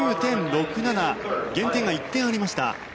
減点が１点ありました。